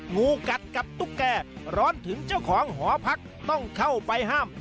งูกัดกับตุ๊กแกร้อนถึงเจ้าของหอพักต้องเข้าไปห้าม